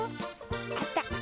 あった！